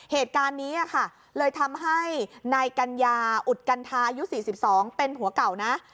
เหตุการณ์นี้ค่ะเลยทำให้นายกัญญาอุดกัณฑาอายุ๔๒เป็นผัวเก่านะ